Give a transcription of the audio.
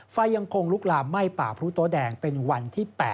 ไฟยังคงลุกลามไหม้ป่าพรุโต๊แดงเป็นวันที่๘